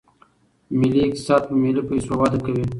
ملي اقتصاد په ملي پیسو وده کوي.